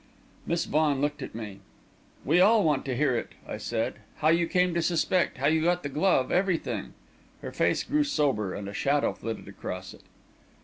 Miss Vaughan looked at me. "We all want to hear it," I said; "how you came to suspect how you got the glove everything." Her face grew sober, and a shadow flitted across it.